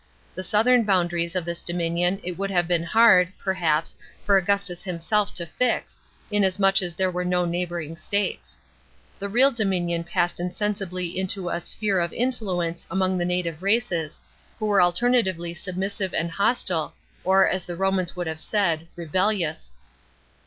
The southern boundaries of this dominion it would have been hard, perhaps, for Augustus himself to fix, inasmuch as there were no neighbouring states.* The real dominion passed insensibly into a "sphere of influence" among the native races, who were alternatively submissive and hostile, or, as the Romans would have saiu, rebellious.